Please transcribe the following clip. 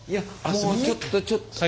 もうちょっとちょっと。